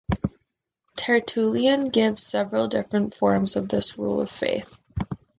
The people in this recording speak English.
Tertullian gives several different forms of this rule of faith.